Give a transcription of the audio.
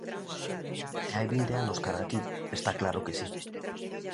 De hai vinte anos cara a aquí está claro que si.